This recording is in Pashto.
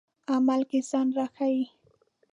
عمل کې ځان راښيي.